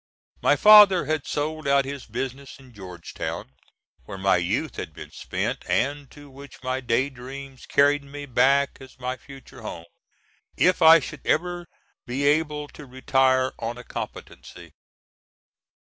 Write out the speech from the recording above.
My father had sold out his business in Georgetown where my youth had been spent, and to which my day dreams carried me back as my future home, if I should ever be able to retire on a competency.